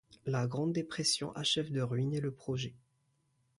La Grande Dépression achève de ruiner le projet.